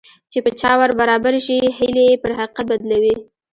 چې په چا ور برابر شي هيلې يې پر حقيقت بدلوي.